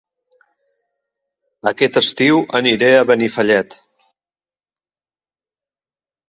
Aquest estiu aniré a Benifallet